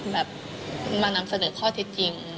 แบบมานำเสนอข้อเท็จจริง